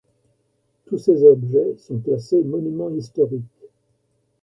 Tous ces objets sont classés monuments historiques.